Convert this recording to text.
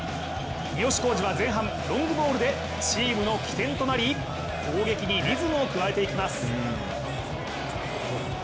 三好康児は前半、ロングボールでチームの起点となり攻撃にリズムを加えていきます。